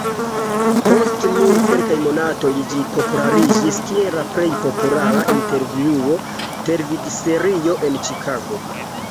Post nur kelkaj monatoj ĝi populariĝis kiel la plej populara intervjuo-televidserio en Ĉikago.